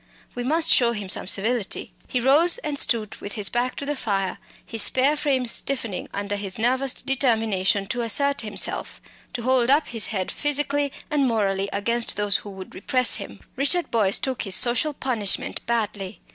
We must show him some civility." He rose and stood with his back to the fire, his spare frame stiffening under his nervous determination to assert himself to hold up his head physically and morally against those who would repress him. Richard Boyce took his social punishment badly.